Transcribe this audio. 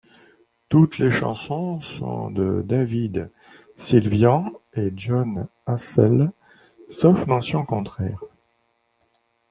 Toutes les chansons sont de David Sylvian et Jon Hassell, sauf mention contraire.